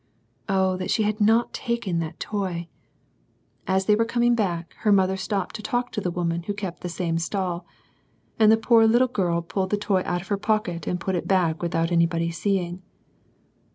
Oh, that she had not taken that toy 1 As they were com\ii^ \i^ck^ her LITTLE THINGS. I09 mother stopped to talk to the woman who kept the same stall, and the poor little girl pulled the toy out of her pocket and put it back without anybody seeing.